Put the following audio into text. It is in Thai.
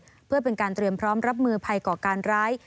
เพื่อเป็นการเตรียมพร้อมรับมือภัยก่อการร้าย